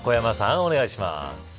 お願いします。